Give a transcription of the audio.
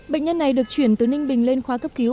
bệnh nhân này được chuyển từ ninh bình lên khoa cấp cứu